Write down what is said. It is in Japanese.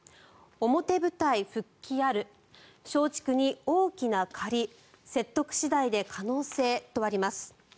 表舞台復帰ある松竹に大きな借り説得次第で可能性とあります。